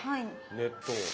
熱湯。